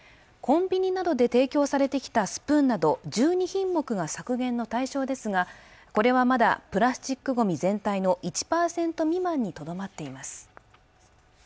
コンビニなどで提供されてきたスプーンなど１２品目が削減の対象ですがこれはまだプラスチックごみ全体の１％未満にとどまっています